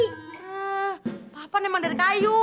hah papan emang dari kayu